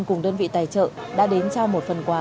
cùng đơn vị tài trợ đã đến trao một phần quà